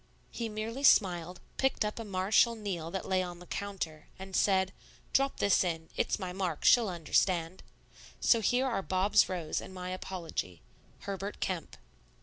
He merely smiled, picked up a Marechal Niel that lay on the counter, and said, "Drop this in. It's my mark; she'll understand." So here are Bob's rose and my apology. HERBERT KEMP.